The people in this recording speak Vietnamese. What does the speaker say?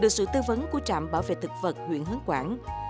được sự tư vấn của trạm bảo vệ thực vật huyện hướng quảng